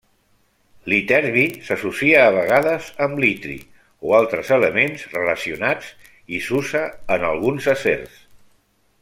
L'iterbi s'associa a vegades amb l'itri o altres elements relacionats i s'usa en alguns acers.